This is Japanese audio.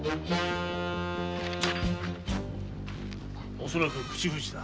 おそらく口封じだ。